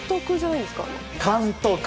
監督？